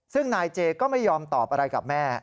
ซึ่งนายเจก็ไม่ยอมตอบอะไรกับแม่